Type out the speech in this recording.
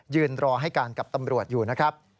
รอให้การกับตำรวจอยู่นะครับ